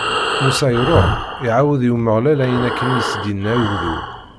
Musa iṛuḥ, iɛawed i Umeɣlal ayen akken i s-d-inna ugdud.